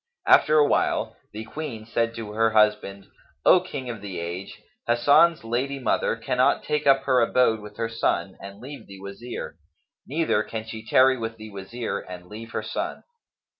After awhile the Queen said to her husband, "O King of the age, Hasan's lady mother cannot take up her abode with her son and leave the Wazir; neither can she tarry with the Wazir and leave her son."